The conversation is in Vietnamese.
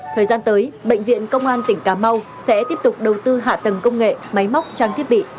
thời gian tới bệnh viện công an tỉnh cà mau sẽ tiếp tục đầu tư hạ tầng công nghệ máy móc trang thiết bị